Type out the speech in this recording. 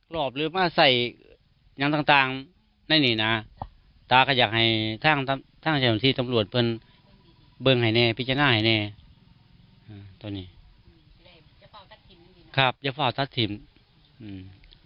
หลักกรอบหรือมาใส่อย่างต่างในนี่น่ะตากระยักษ์ให้ท่างท่างท่างที่ตำรวจเป็นเบื้องไหนเนี่ยพิจารณาไหนเนี่ยอ่าตอนนี้อืมครับยัภาวทััศทิมอืม